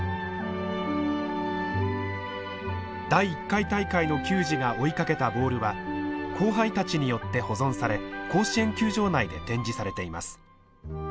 第１回大会の球児が追いかけたボールは後輩たちによって保存され甲子園球場内で展示されています。